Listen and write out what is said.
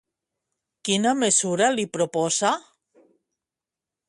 Quina mesura li proposa?